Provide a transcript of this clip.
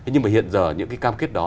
nhưng mà hiện giờ những cam kết đó